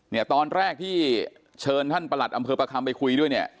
เนี่ยตอนแรกที่เชิญท่านประหลัดอำเภอประคำไปคุยด้วยเนี่ย